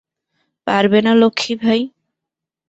পারবে না লক্ষ্মী ভাই?